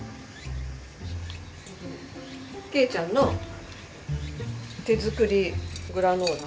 景ちゃんの手作りグラノーラ。